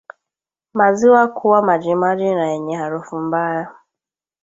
Maziwa kuwa majimaji na yenye harufu mbaya